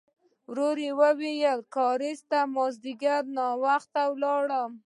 ورو يې وویل: کارېز ته مازديګر ناوخته لاړم.